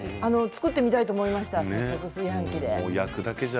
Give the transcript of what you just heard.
作ってみたいと思いました炊飯器で。